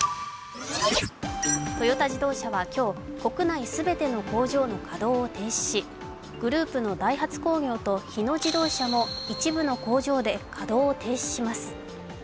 トヨタ自動車は今日、国内全ての工場の稼働を停止しグループのダイハツ工業と日野自動車も一部の工場で稼働を停止します。